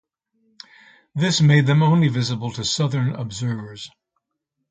This made them only visible to southern observers.